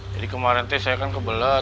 jadi kemarin teh saya kan kebelet